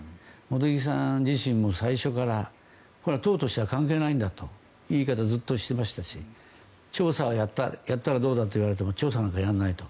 茂木さん自身も最初から党としては関係ないんだという言い方をずっとしていましたし調査はやったらどうだと言われても調査なんかやらないと。